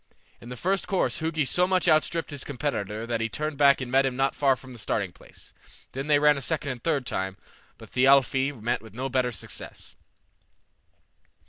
In the first course Hugi so much out stripped his competitor that he turned back and met him not far from the starting place. Then they ran a second and a third time, but Thialfi met with no better success.